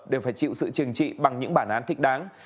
đều phải chịu sự trừng trị bằng những bản án thích đáng